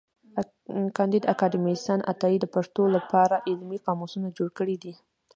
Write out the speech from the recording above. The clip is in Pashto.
کانديد اکاډميسن عطايي د پښتو له پاره علمي قاموسونه جوړ کړي دي.